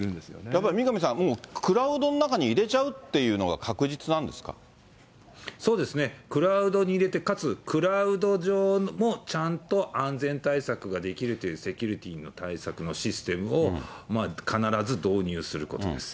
やっぱり三上さん、もうクラウドの中に入れちゃうというのが、そうですね、クラウドに入れて、かつクラウド上もちゃんと安全対策ができるというセキュリティーの対策のシステムを必ず導入することです。